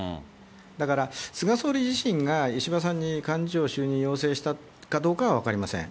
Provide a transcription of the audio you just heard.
だから、菅総理自身が石破さんに幹事長就任を要請したかどうかは分かりません。